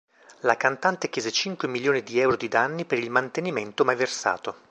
La cantante chiese cinque milioni di euro di danni per il mantenimento mai versato.